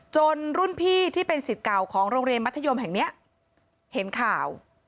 รุ่นพี่ที่เป็นสิทธิ์เก่าของโรงเรียนมัธยมแห่งนี้เห็นข่าว